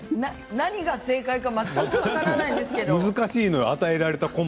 何が正解か全く分からないんですけども。